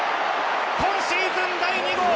今シーズン第２号。